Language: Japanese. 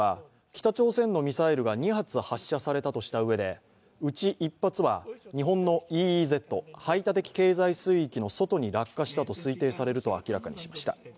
岸防衛大臣は、北朝鮮のミサイルが２発発射されたとしたうえでうち１発は日本のＥＥＺ＝排他的経済水域の外に落下したと推定されると明らかにしました。